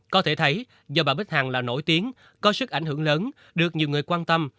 có thể thấy do bà bích hằng là nổi tiếng có sức ảnh hưởng lớn được nhiều người quan tâm